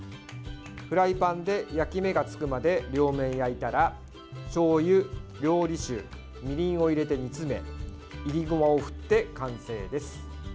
フライパンで焼き目がつくまで両面焼いたらしょうゆ、料理酒みりんを入れて煮詰めいりごまを振って完成です。